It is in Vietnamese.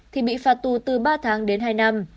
thì bị phạt tù từ ba tháng đến hai năm